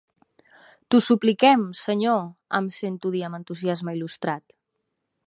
T'ho supliquem, Senyor! —em sento dir amb entusiasme il·lustrat.